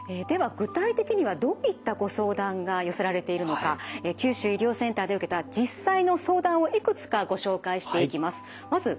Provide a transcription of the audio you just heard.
具体的にはどういったご相談が寄せられているのか九州医療センターで受けた実際の相談をいくつかご紹介していきます。